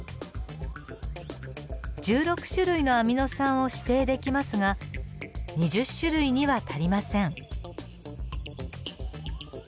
１６種類のアミノ酸を指定できますが２０種類には足りません。